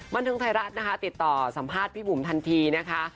บันเทิงไทยรัฐนะคะติดต่อสัมภาษณ์พี่บุ๋มทันทีนะคะ